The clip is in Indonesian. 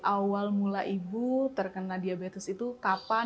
awal mula ibu terkena diabetes itu kapan